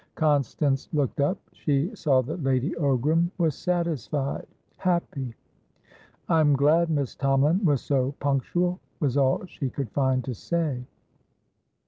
Constance looked up. She saw that Lady Ogram was satisfied, happy. "I'm glad Miss Tomalin was so punctual," was all she could find to say.